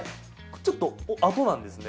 ちょっと後なんですね。